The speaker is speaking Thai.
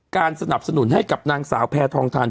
สนับสนุนให้กับนางสาวแพทองทัน